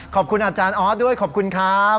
ขอบคุณอาจารย์ออสด้วยขอบคุณครับ